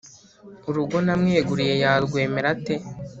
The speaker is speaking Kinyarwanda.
urugo namweguriye yarwemera ate ?